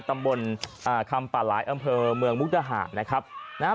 ตำบลอ่าคำป่าหลายอำเภอเมืองมุกดาหารนะครับนะฮะ